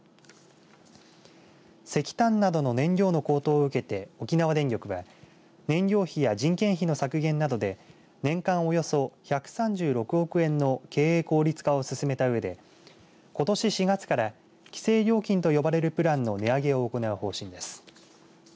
石炭などの燃料の高騰を受けて沖縄電力は燃料費や人件費の削減などで年間およそ１３６億円の経営効率化を進めたうえでことし４月から規制料金と呼ばれるプランの値上げを行う方針です。